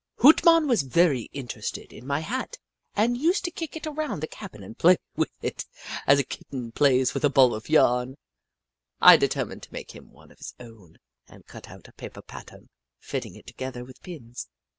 Hoot Mon was very much interested in my hat and used to kick it around the cabin and play with it as a Kitten plays with a ball of yarn. I determined to make him one of his own and cut out a paper pattern, fitting it together with pins.